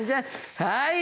はい。